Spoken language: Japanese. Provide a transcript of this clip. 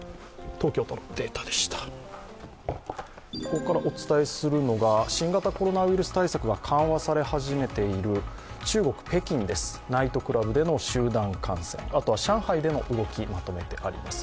ここからお伝えするのが新型コロナウイルス対策が緩和され始めている中国・北京です、ナイトクラブでの集団感染、あとは上海での動き、まとめてあります。